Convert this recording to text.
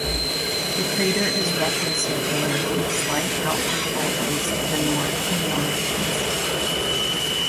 The crater it roughly circular, with slight outward bulges to the north and northeast.